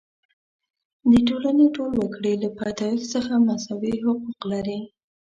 د ټولنې ټول وګړي له پیدایښت څخه مساوي حقوق لري.